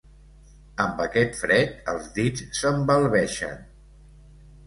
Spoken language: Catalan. Amb aquest fred els dits s'embalbeixen.